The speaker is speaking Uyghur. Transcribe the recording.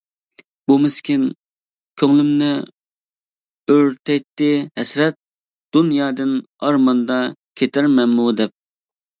بۇ مىسكىن كۆڭلۈمنى ئۆرتەيتتى ھەسرەت، دۇنيادىن ئارماندا كېتەرمەنمۇ دەپ.